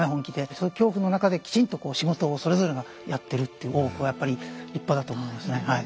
その恐怖の中できちんと仕事をそれぞれがやってるっていう大奥はやっぱり立派だと思いますねはい。